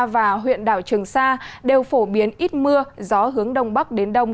và huyện đảo trường sa đều phổ biến ít mưa gió hướng đông bắc đến đông